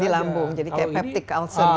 di lambung jadi kayak peptic ulcer gitu ya